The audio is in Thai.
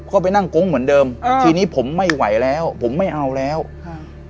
ก็ไปนั่งโก๊งเหมือนเดิมอ่าทีนี้ผมไม่ไหวแล้วผมไม่เอาแล้วค่ะ